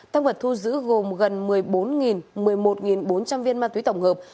thăng vật thu giữ gồm gần một mươi bốn một mươi một bốn trăm linh viên ma túy tổng hợp